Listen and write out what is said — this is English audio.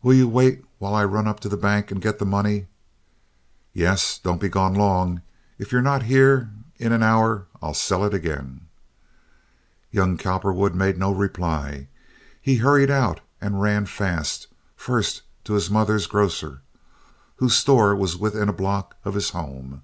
"Will you wait while I run up to the bank and get the money?" "Yes. Don't be gone long. If you're not here in an hour I'll sell it again." Young Cowperwood made no reply. He hurried out and ran fast; first, to his mother's grocer, whose store was within a block of his home.